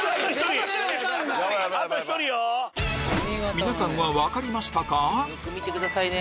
皆さんは分かりましたか？